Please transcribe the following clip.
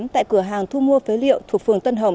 tại cửa hàng thu mua phế liệu thuộc phường tân hồng